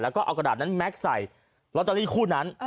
แล้วก็เอากระดาษนั้นแก๊กใส่ลอตเตอรี่คู่นั้น